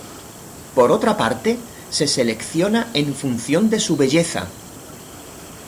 Por otra parte, se selecciona en función de su belleza.